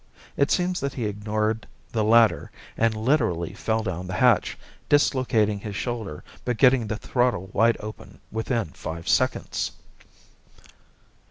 It seems that he ignored the ladder and literally fell down the hatch, dislocating his shoulder but getting the throttle wide open within five seconds!